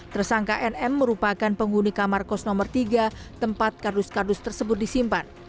tersangka nm merupakan penghuni kamar kos nomor tiga tempat kardus kardus tersebut disimpan